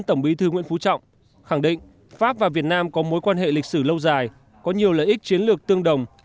tổng bí thư nguyễn phú trọng khẳng định pháp và việt nam có mối quan hệ lịch sử lâu dài có nhiều lợi ích chiến lược tương đồng